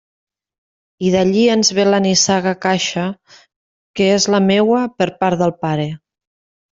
I d'allí ens ve la nissaga Caixa, que és la meua, per part de pare.